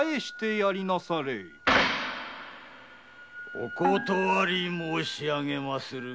お断り申しあげまする。